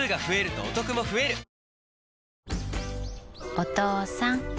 お父さん。